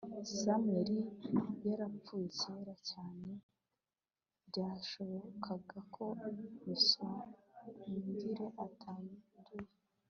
sam yari yarapfuye kera cyane. byashobokaga ko sibongile atanduye